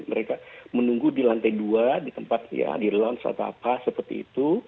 mereka menunggu di lantai dua di tempat ya di launch atau apa seperti itu